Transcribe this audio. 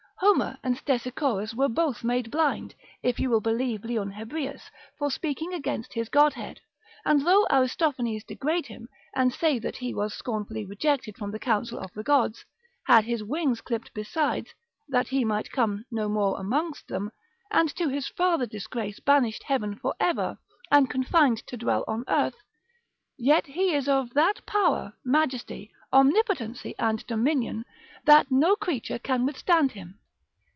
Homer and Stesichorus were both made blind, if you will believe Leon Hebreus, for speaking against his godhead: and though Aristophanes degrade him, and say that he was scornfully rejected from the council of the gods, had his wings clipped besides, that he might come no more amongst them, and to his farther disgrace banished heaven for ever, and confined to dwell on earth, yet he is of that power, majesty, omnipotency, and dominion, that no creature can withstand him.